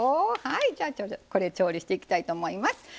じゃあこれ調理していきたいと思います。